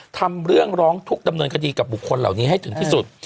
ทำเรื่องร้องทุกข์ดำเนินคดีกับบุคคลเหล่านี้ให้ถึงที่สุด